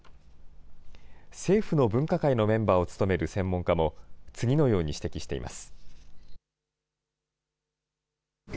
政府の分科会のメンバーを務める専門家も、次のように指摘しています。